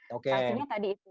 faktinya tadi itu